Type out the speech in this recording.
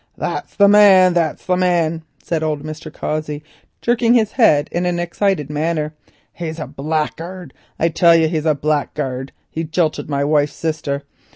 "That's the man; that's the man," said old Mr. Cossey, jerking his head in an excited manner. "He's a blackguard; I tell you he's a blackguard; he jilted my wife's sister.